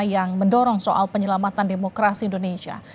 yang mendorong soal penyelamatan demokrasi indonesia